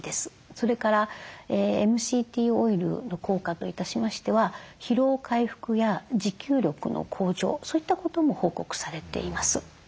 それからＭＣＴオイルの効果といたしましては疲労回復や持久力の向上そういったことも報告されています。